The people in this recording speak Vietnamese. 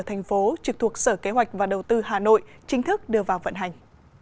thành phố trực thuộc sở kế hoạch và đầu tư hà nội chính thức đưa vào vận hành